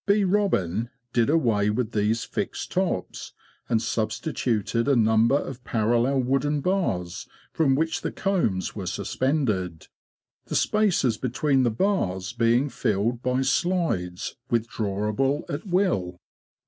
"Bee Robin' did away with these fixed tops, and substituted a number of parallel wooden bars from which the combs were suspended, the spaces between the bars being filled by slides withdrawable at will.